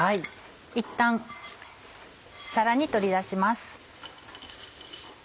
いったん皿に取り出します。